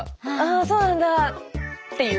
「あそうなんだ」っていう。